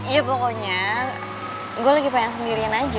ya pokoknya gue lagi pengen sendirian aja